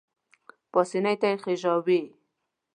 پانسۍ ته یې خېژاوې.